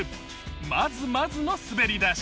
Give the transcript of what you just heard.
まずまずの滑り出し。